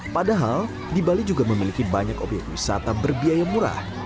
padahal di bali juga memiliki banyak obyek wisata berbiaya murah